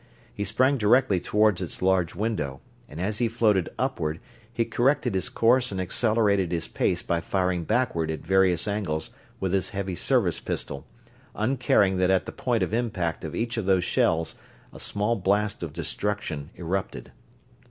He sprang directly toward its large window, and as he floated "upward" he corrected his course and accelerated his pace by firing backward at various angles with his heavy service pistol, uncaring that at the point of impact of each of those shells a small blast of destruction erupted.